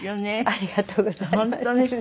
ありがとうございます。